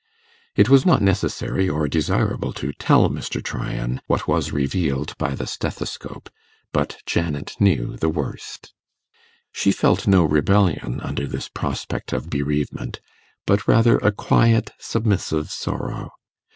It was not necessary or desirable to tell Mr. Tryan what was revealed by the stethoscope, but Janet knew the worst. She felt no rebellion under this prospect of bereavement, but rather a quiet submissive sorrow.